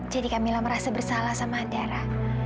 jadi kamilah merasa bersalah sama andara